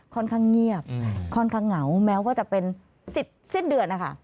ค่อนข้างเงียบค่อนข้างเหงาแม้ว่าจะเป็นสิทธิ์สิ้นเดือนนะคะ